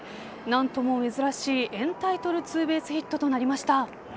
なんとも珍しいエンタイトルツーベースヒットとなりました。